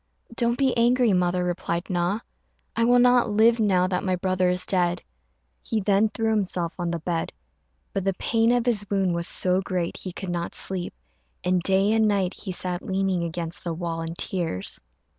"Don't be angry, mother," replied Na; "I will not live now that my brother is dead." He then threw himself on the bed; but the pain of his wound was so great he could not sleep, and day and night he sat leaning against the wall in tears.